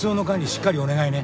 しっかりお願いね。